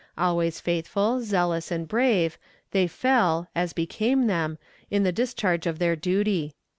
Always faithful, zealous, and brave, they fell, as became them, in the discharge of their duty.